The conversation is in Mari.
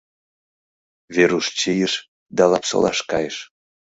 Веруш чийыш да Лапсолаш кайыш.